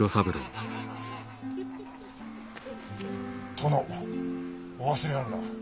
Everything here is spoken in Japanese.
殿お忘れあるな。